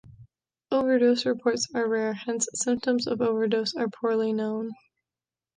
Overdose reports are rare, hence symptoms of overdose are poorly known.